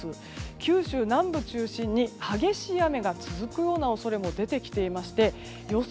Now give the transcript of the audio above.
九州南部中心に激しい雨が続く恐れも出てきていまして予想